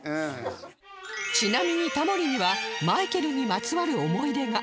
ちなみにタモリにはマイケルにまつわる思い出が